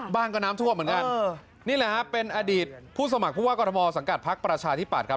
บ้านก็น้ำท่วมเหมือนกันนี่แหละฮะเป็นอดีตผู้สมัครผู้ว่ากรทมสังกัดพักประชาธิปัตยครับ